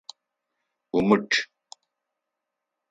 Умычъ!